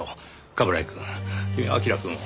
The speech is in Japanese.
冠城くん君は彬くんを。